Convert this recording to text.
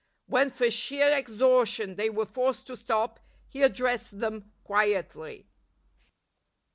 When for sheer exhaustion they were forced to stop, he addressed then! quietly.